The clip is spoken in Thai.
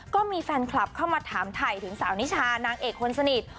ก็มีแฟนคลับเข้ามาถามถ่ายถึงสาวนิชานางเอกคนสนิท